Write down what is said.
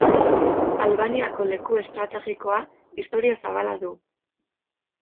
Albaniako leku estrategikoa, historia zabala du.